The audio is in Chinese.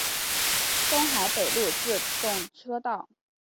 东海北陆自动车道。